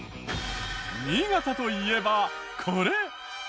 新潟といえばこれ。